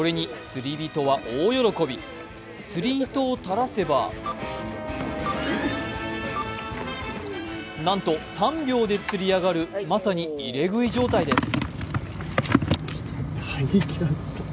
釣り糸を垂らせばなんと３秒で釣り上がるまさに入れ食い状態です。